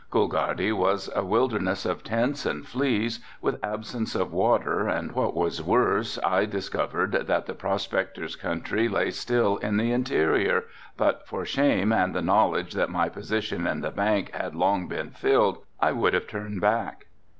Coolgardie was a wilderness of tents and fleas, with absence of water, and what was worse, I discovered that the prospector's country lay still in the interior, but for shame and the knowledge that my position in the bank had long since been filled, I would have turned back.